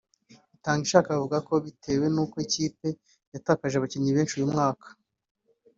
Itangishaka avuga ko bitewe n’uko ikipe yatakaje abakinnyi benshi uyu mwaka